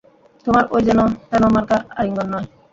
তোমার ঐ যেন-তেন মার্কা আলিঙ্গণ নয়।